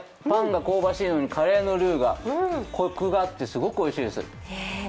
パンが香ばしいのにカレーのルーがコクがあってすごくおいしいです。